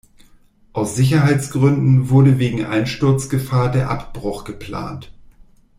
Aus Sicherheitsgründen wurde wegen Einsturzgefahr der Abbruch geplant.